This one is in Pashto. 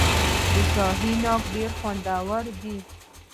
د شاهي ناک ډیر خوندور وي.